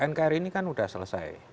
nkri ini kan sudah selesai